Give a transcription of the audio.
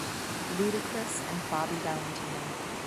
Ludacris and Bobby Valentino.